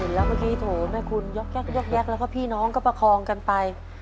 เห็นแล้วเมื่อกี้โถ่แม่คุณยกแก๊กยกแยกแล้วก็พี่น้องก็ประคองกันไป